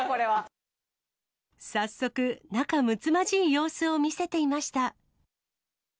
早速、仲むつまじい様子を見せていました。